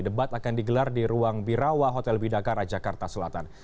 debat akan digelar di ruang birawa hotel bidakara jakarta selatan